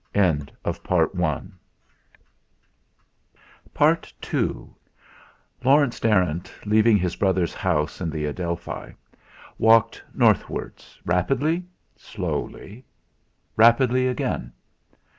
II Laurence Darrant, leaving his brother's house in the Adelphi, walked northwards, rapidly, slowly, rapidly again.